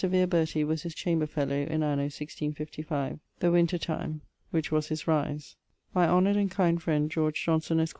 Vere Bertie was his chamber fellowe in anno 1655, the wintertime, which was his rise. My honoured and kind friend George Johnson, esq.